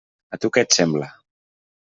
A tu què et sembla?